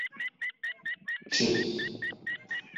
Ččet.